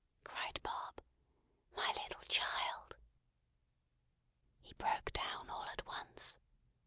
cried Bob. "My little child!" He broke down all at once.